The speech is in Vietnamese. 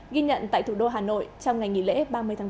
ghi nhận tại thủ đô hà nội trong ngày nghỉ lễ ba mươi tháng bốn